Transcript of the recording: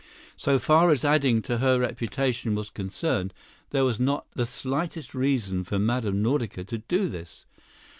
So far as adding to her reputation was concerned, there was not the slightest reason for Mme. Nordica to do this.